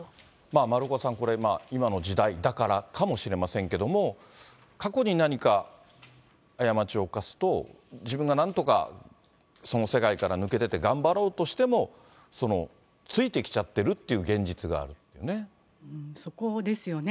丸岡さん、これ、今の時代だからかもしれませんけれども、過去に何か過ちを犯すと、自分がなんとか、その世界から抜け出て頑張ろうとしても、ついてきちゃってるという現実があるというね。